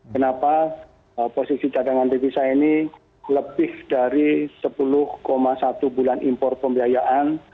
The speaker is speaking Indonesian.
kenapa posisi cadangan devisa ini lebih dari sepuluh satu bulan impor pembiayaan